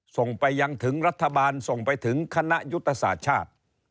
ส่งไปยังถึงรัฐบาลส่งไปถึงคณะยุทธศาสตร์ชาติ